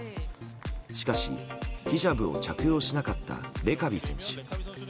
しかし、ヒジャブを着用しなかったレカビ選手。